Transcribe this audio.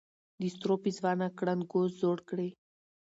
د سرو پېزوانه ګړنګو زوړ کړې